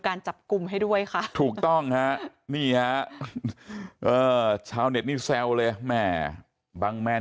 การจับกลุ่มให้ด้วยค่ะถูกต้องฮะนี่ฮะชาวเน็ตนี่แซวเลยแม่บังแมน